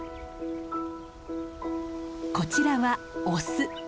こちらはオス。